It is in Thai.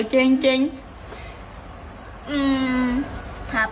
กริโปต้องผ่าน